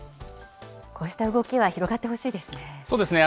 こうした動きは広がってほしいですね。